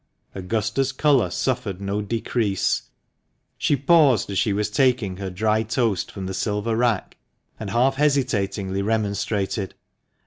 Augusta's colour suffered no decrease. She paused as she was taking her dry toast from the silver rack, and half hesitatingly remonstrated.